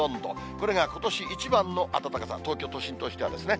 これがことし一番の暖かさ、東京都心としてはですね。